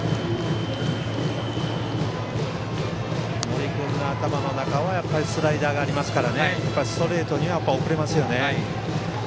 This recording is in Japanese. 森君の頭の中はスライダーがありますからストレートには遅れますよね。